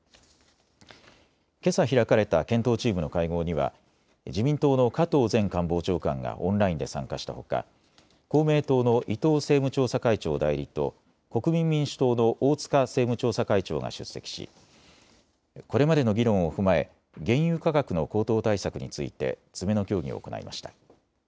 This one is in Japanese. けさ開かれた検討チームの会合には自民党の加藤前官房長官がオンラインで参加したほか公明党の伊藤政務調査会長代理と国民民主党の大塚政務調査会長が出席しこれまでの議論を踏まえ原油価格の高騰対策について詰めの協議を行いました。